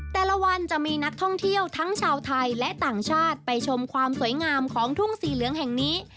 แต่ละวันจะมีนักท่องเที่ยวทั้งชาวไทยและต่างชาติไปชมความสวยงามของทุ่งสีเหลืองแห่งนี้